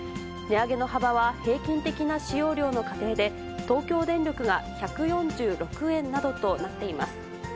値上げの幅は、平均的な使用量の家庭で、東京電力が１４６円などとなっています。